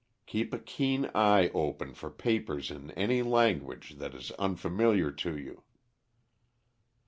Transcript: Keep a keen eye open for papers in any language that is unfamiliar to you."